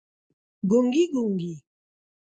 ګونګي، ګونګي